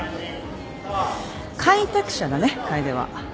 開拓者だね楓は。